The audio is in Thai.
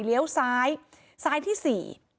เลี้ยวซ้ายซ้ายที่สี่